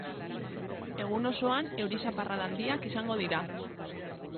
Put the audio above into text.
Egun osoan euri zaparrada handiak izango dira.